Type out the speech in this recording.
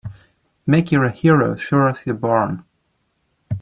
Make you're a hero sure as you're born!